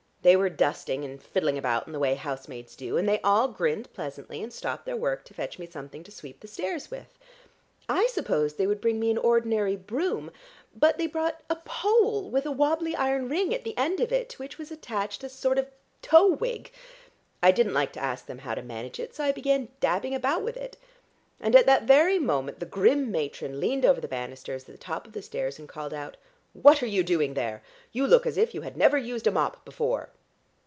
They were dusting and fiddling about in the way housemaids do, and they all grinned pleasantly and stopped their work to fetch me something to sweep the stairs with. I supposed they would bring me an ordinary broom, but they brought a pole with a wobbly iron ring at the end of it, to which was attached a sort of tow wig. I didn't like to ask them how to manage it, so I began dabbing about with it. And at that very moment the grim matron leaned over the bannisters at the top of the stairs and called out, 'What are you doing there? You look as if you had never used a mop before!'